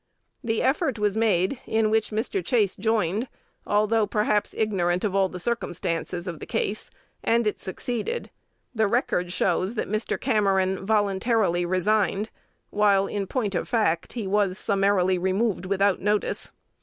The effort was made, in which Mr. Chase joined, although perhaps ignorant of all the circumstances of the case; and it succeeded. The record shows that Mr. Cameron voluntarily resigned; while, in point of fact, he was summarily removed without notice.